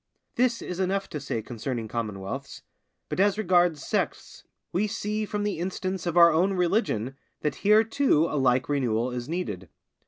This is enough to say concerning commonwealths, but as regards sects, we see from the instance of our own religion that here too a like renewal is needed.